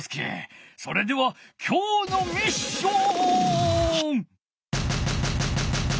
それではきょうのミッション！